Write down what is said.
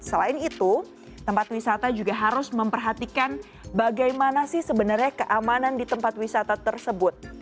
selain itu tempat wisata juga harus memperhatikan bagaimana sih sebenarnya keamanan di tempat wisata tersebut